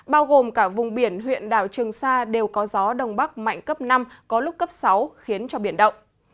bao gồm cả vùng biển huyện đảo trường sa đều có gió đông bắc mạnh cấp năm có lúc cấp sáu khiến cho biển động